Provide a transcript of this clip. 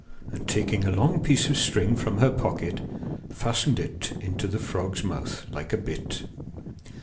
And taking a long piece of string from her pocket, fastened it into the frog's mouth, like a bit.